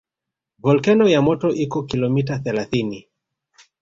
Volkeno ya moto iko kilomita thelathini